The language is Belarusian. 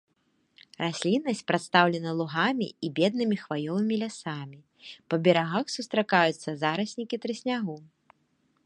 Расліннасць прадстаўлена лугамі і беднымі хваёвымі лясамі, па берагах сустракаюцца зараснікі трыснягу.